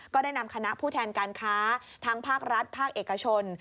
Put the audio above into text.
ก็ได้นำคณะผู้แทนการค้าทั้งภาครัฐภาคเอกชน